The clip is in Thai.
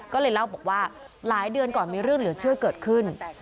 ก็เลยเล่าบอกว่าหลายเดือนก่อนมีเรื่องเหลือเชื่อเกิดขึ้น